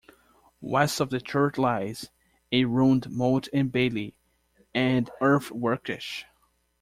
West of the church lies a ruined motte-and-bailey and earthworksh.